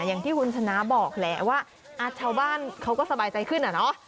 อย่างที่คุณชนะบอกแหละว่าชาวบ้านเขาก็สบายใจขึ้นอะเนาะ